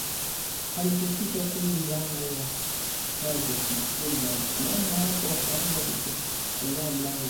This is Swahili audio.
Alipofika kwenye mlango wa hifadhi ya kumbukumbu alisimama hapo akaanza kuchokonoa mlango